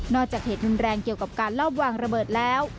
จากเหตุรุนแรงเกี่ยวกับการลอบวางระเบิดแล้ว